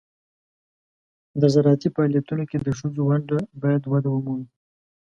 د زراعتي فعالیتونو کې د ښځو ونډه باید وده ومومي.